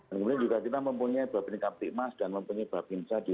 kemudian juga kita mempunyai bapin kaptik mas dan mempunyai bapin sadiqa